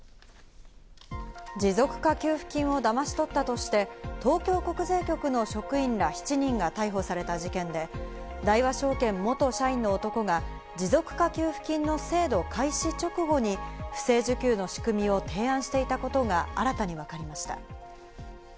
持続化給付金をだまし取ったとして、東京国税局の職員ら７人が逮捕された事件で、大和証券元社員の男が持続化給付金の制度開始直後に不正受給の仕組みを提案していたことが新たに分かりました。